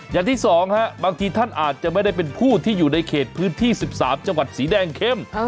อย่างที่๒บางทีท่านอาจจะไม่ได้เป็นผู้ที่อยู่ในเขตพื้นที่๑๓จังหวัดสีแดงเข้ม